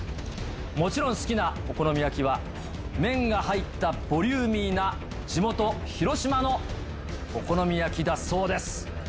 もちろん好きなお好み焼きは麺が入ったボリューミーな地元広島のお好み焼きだそうです。